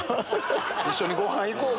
一緒にごはん行こうか？